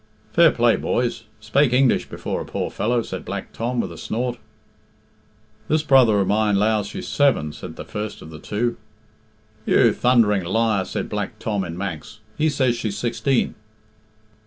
"Fair play, boys; spake English before a poor fellow," said Black Tom, with a snort. "This brother of mine lows she's seven," said the first of the two. "You thundering liar," said Black Tom in Manx. "He says she's sixteen."